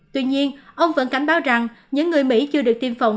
tuy nhiên ông vẫn cảnh báo rằng những người mỹ chưa được tiêm phòng